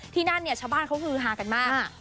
ที่นั่นเนี้ยชาวบ้านเขาคือหากันมากค่ะ